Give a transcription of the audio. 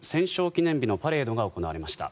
記念日のパレードが行われました。